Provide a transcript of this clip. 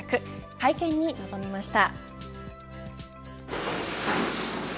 会見に臨みました。